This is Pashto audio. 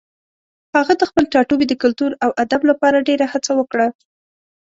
هغه د خپل ټاټوبي د کلتور او ادب لپاره ډېره هڅه وکړه.